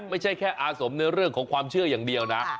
ไม่ใช่แค่อาสมในเรื่องของความเชื่ออย่างเดียวนะ